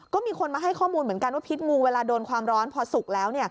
ก็มีคนมาให้ข้อมูลเหมือนกันว่าพิษงูเวลาโดนความร้อนพอสุกแล้ว